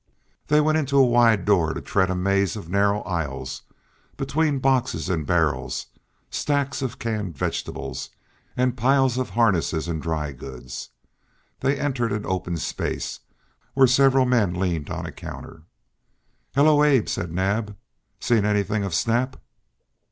They went into a wide door to tread a maze of narrow aisles between boxes and barrels, stacks of canned vegetables, and piles of harness and dry goods; they entered an open space where several men leaned on a counter. "Hello, Abe," said Naab; "seen anything of Snap?"